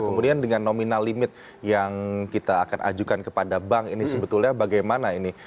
kemudian dengan nominal limit yang kita akan ajukan kepada bank ini sebetulnya bagaimana ini